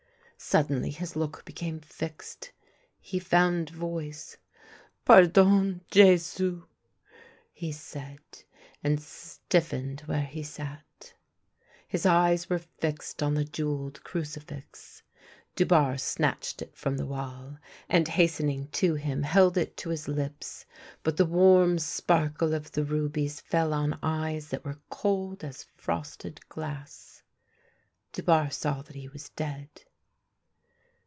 Suddenly his look became fixed ; he found voice. " Pardon — Jcsu! " he said, and stiffened where he sat. His eyes were fixed on the jewelled crucifix. Du barre snatched it from the wall, and hastening to him held it to his lips : but the warm sparkle of the rubies fell on eyes that were cold as frosted glass. Dubarre saw that he was dead.